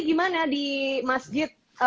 gimana di masjid